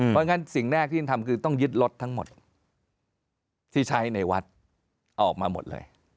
เพราะฉะนั้นสิ่งแรกที่ท่านทำคือต้องยึดรถทั้งหมดที่ใช้ในวัดออกมาหมดเลย